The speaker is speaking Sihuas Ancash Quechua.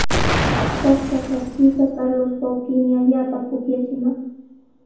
Taksha kaptiiqa Carlos wawqiimi allaapa pukllachimaq.